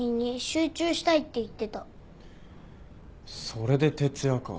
それで徹夜か。